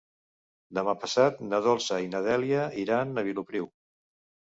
Demà passat na Dolça i na Dèlia iran a Vilopriu.